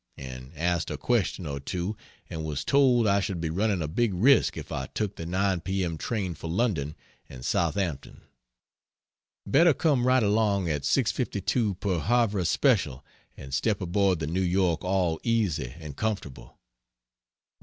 and asked a question or two and was told I should be running a big risk if I took the 9 P. M. train for London and Southampton; "better come right along at 6.52 per Havre special and step aboard the New York all easy and comfortable."